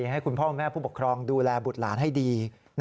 ให้คุณพ่อแม่ผู้ปกครองดูแลบุตรหลานให้ดี